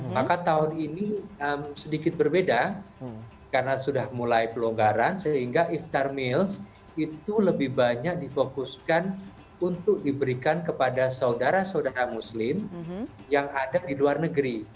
maka tahun ini sedikit berbeda karena sudah mulai pelonggaran sehingga iftar mils itu lebih banyak difokuskan untuk diberikan kepada saudara saudara muslim yang ada di luar negeri